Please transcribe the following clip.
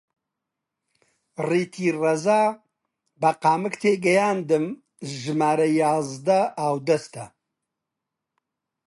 ڕیتی ڕازا! بە قامک تێیگەیاندم ژمارە یازدە ئاودەستە